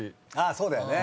そうだよね。